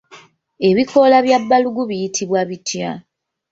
Ebikoola bya balugu biyitibwa bitya?